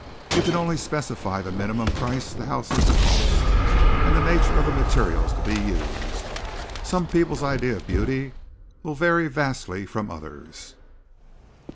You can only specify the minimum price the house is to cost and the nature of the materials to be used. Some people's idea of beauty will vary vastly from others.